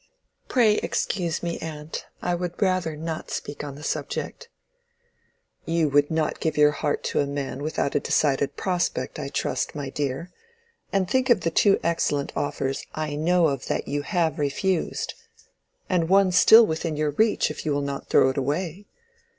"Pray excuse me, aunt. I would rather not speak on the subject." "You would not give your heart to a man without a decided prospect, I trust, my dear. And think of the two excellent offers I know of that you have refused!—and one still within your reach, if you will not throw it away.